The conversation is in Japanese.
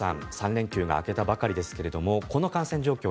３連休が明けたばかりですがこの感染状況